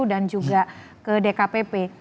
dan juga ke dkpp